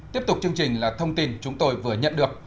tiếp tục chương trình là thông tin chúng tôi vừa nhận được